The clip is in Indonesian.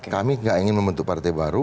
kami tidak ingin membentuk partai baru